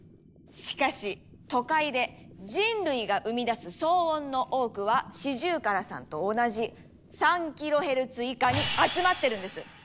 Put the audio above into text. しかし都会で人類が生み出す騒音の多くはシジュウカラさんと同じ３キロヘルツ以下に集まってるんです！